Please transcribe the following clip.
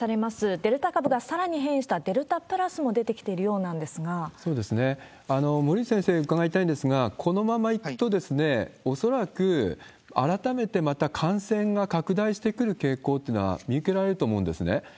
デルタ株がさらに変異したデルタプラスも出てきているようなんで森内先生に伺いたいんですが、このままいくと、恐らく改めてまた感染が拡大してくる傾向というのは見受けられると思うんですね。